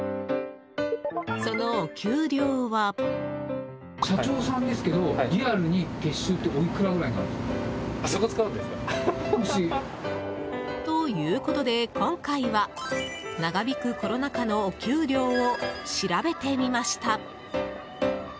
そのお給料は。ということで今回は長引くコロナ禍のお給料を調べてみました。